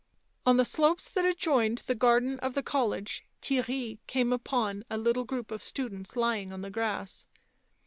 On the slopes that adjoined the garden of the college Theirry came upon a little group of students lying on the grass.